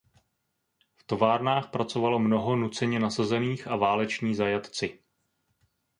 V továrnách pracovalo mnoho nuceně nasazených a váleční zajatci.